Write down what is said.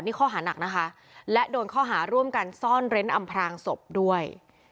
นี่ข้อหานักนะคะและโดนข้อหาร่วมกันซ่อนเร้นอำพรางศพด้วย